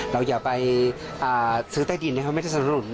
เราอยากไปซื้อใต้ดินเนี่ยเขาไม่สนับสนุน